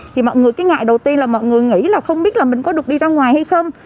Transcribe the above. thì mọi người cái ngại đầu tiên là mọi người nghĩ là không biết là mình có được đi ra ngoài hay không